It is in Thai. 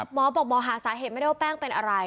หมอบอกหมอหาสาเหตุไม่ได้ว่าแป้งเป็นอะไร